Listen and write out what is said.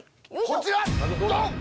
こちらドン！